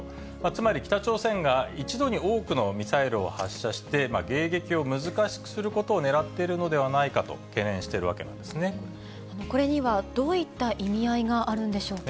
つまり北朝鮮が一度に多くのミサイルを発射して、迎撃を難しくすることをねらっているのではないかと懸念しているこれにはどういった意味合いがあるんでしょうか。